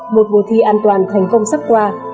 một mùa thi an toàn thành công sắp qua